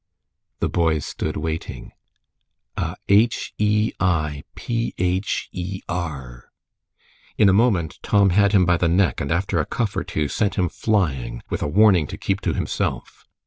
The boys stood waiting. "A h e i p h e r." In a moment Tom had him by the neck, and after a cuff or two, sent him flying, with a warning to keep to himself.